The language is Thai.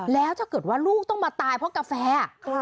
แล้วถ้าเกิดว่าลูกต้องมาตายเพราะกาแฟ